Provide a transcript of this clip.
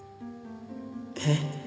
えっ？